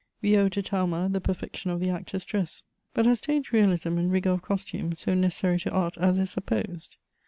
We owe to Talma the perfection of the actor's dress. But are stage realism and rigour of costume so necessary to art as is supposed?